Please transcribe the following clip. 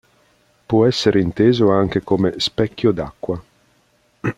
Può essere inteso anche come "specchio d'acqua".